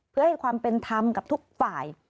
เพื่อให้ความเป็นธรรมกับทุกฝ่าย